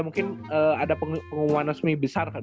mungkin ada pengumuman resmi besar